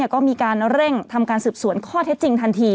ก็มีการเร่งทำการสืบสวนข้อเท็จจริงทันที